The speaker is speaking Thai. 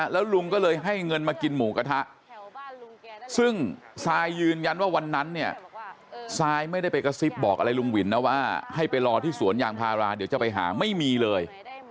แล้วลุงก็เลยให้เงินมากินหมูกระทะซึ่งซายยืนยันว่าวันนั้นเนี่ยซายไม่ได้ไปกระซิบบอกอะไรลุงวินนะว่าให้ไปรอที่สวนยางพาราเดี๋ยวจะไปหาไม่มีเลย